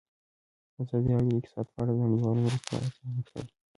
ازادي راډیو د اقتصاد په اړه د نړیوالو مرستو ارزونه کړې.